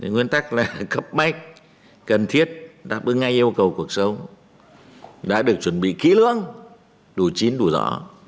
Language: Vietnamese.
nguyên tắc là cấp mách cần thiết đáp ứng ngay yêu cầu cuộc sống đã được chuẩn bị kỹ lưỡng đủ chín đủ rõ